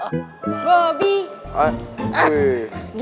tapi kalau saya betul betul kritik mereka aja